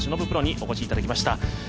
プロにお越しいただきました。